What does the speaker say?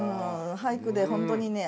俳句で本当にね